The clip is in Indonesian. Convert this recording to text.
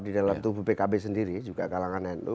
di dalam tubuh pkb sendiri juga kalangan nu